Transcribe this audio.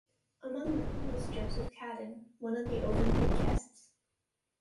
Among them was Joseph Cadden, one of the overnight guests.